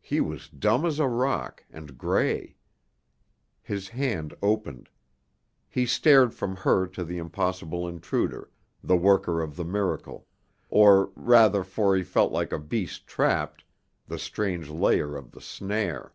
He was dumb as a rock, and gray. His hand opened; he stared from her to the impossible intruder, the worker of the miracle, or rather for he felt like a beast trapped, the strange layer of the snare.